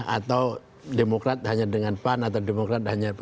atau demokrat hanya dengan pan atau demokrat